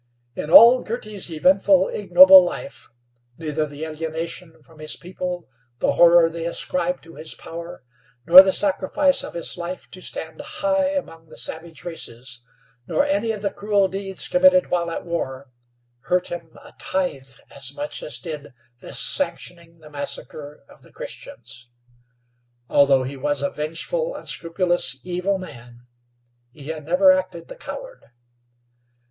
In all Girty's eventful, ignoble life, neither the alienation from his people, the horror they ascribed to his power, nor the sacrifice of his life to stand high among the savage races, nor any of the cruel deeds committed while at war, hurt him a tithe as much as did this sanctioning the massacre of the Christians. Although he was a vengeful, unscrupulous, evil man, he had never acted the coward.